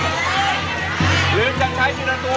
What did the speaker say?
หรือจะใช้๑ตัว